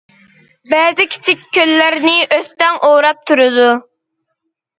بەزى كىچىك كۆللەرنى ئۆستەڭ ئوراپ تۇرىدۇ.